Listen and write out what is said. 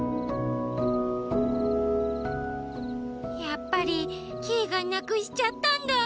やっぱりキイがなくしちゃったんだ。